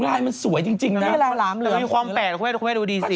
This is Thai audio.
ลายมันสวยจริงนะมีความแปลกเขาให้ดูดีซิ